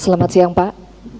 selamat siang pak